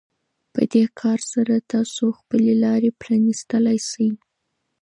په دې کار سره تاسو خپلې لارې پرانيستلی شئ.